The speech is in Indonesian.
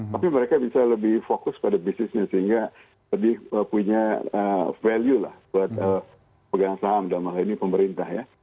tapi mereka bisa lebih fokus pada bisnisnya sehingga lebih punya value lah buat pegang saham dalam hal ini pemerintah ya